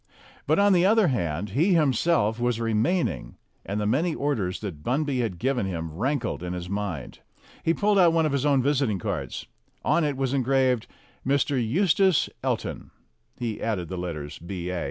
But, on the other hand, he himself was remaining, and the many orders that Bunby had given him rankled in his mind. He pulled out one of his own visiting cards. On it was engraved "Mr. Eustace El ton." He added the letters B.A.